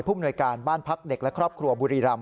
มนวยการบ้านพักเด็กและครอบครัวบุรีรำ